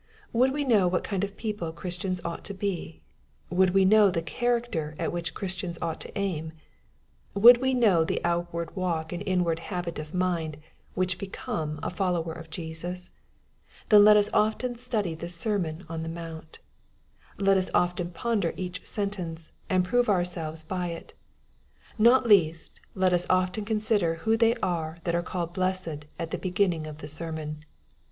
Would we know what kind of people Christians ought to be ? Would we know the character at which Chris tians ought to aim ? Would we know the outward walk and inward habit of mind which become a follower of Jesus ? Then let us often study the sermon on the mount. Let us often ponder each sentence, and prove ourselves by it. Not least let us often consider who they are that are called blessed at the beginning of the sermon.